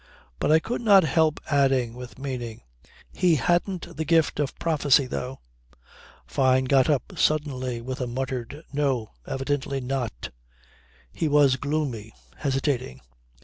But I could not help adding with meaning: "He hadn't the gift of prophecy though." Fyne got up suddenly with a muttered "No, evidently not." He was gloomy, hesitating.